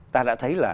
ta đã thấy là